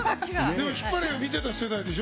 でもヒッパレ見てた世代でしょ？